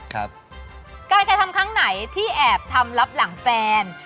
การรายความทำข้างไหนที่แอบทำรับหลังแฟน